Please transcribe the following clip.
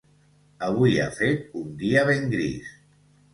Avui ha fet un dia ben gris.